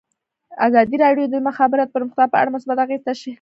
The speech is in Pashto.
ازادي راډیو د د مخابراتو پرمختګ په اړه مثبت اغېزې تشریح کړي.